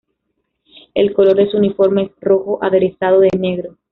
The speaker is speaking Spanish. El color de su uniforme es rojo, aderezado de negro.